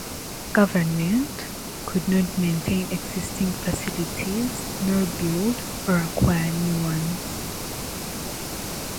Government could not maintain existing facilities nor build or acquire new ones.